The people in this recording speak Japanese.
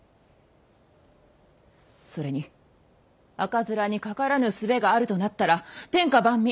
それに赤面にかからぬ術があるとなったら天下万民